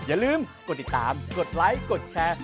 อย่าลืมกดติดตามกดไลค์กดแชร์